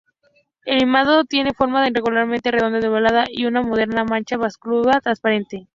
El minado tiene forma, irregularmente redonda u ovalada, de una moderada mancha blancuzca transparente.